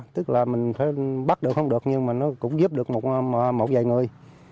tức là mình phải bắt được không được nhưng mà nó cũng giúp được một vài người